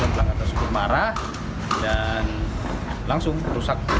nah pelanggar tersebut marah dan langsung rusak